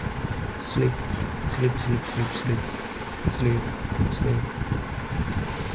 All commercial power reactors are based on nuclear fission.